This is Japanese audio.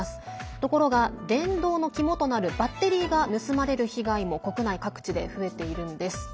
ところが、電動の肝となるバッテリーが盗まれる被害も国内各地で増えているんです。